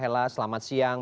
bella selamat siang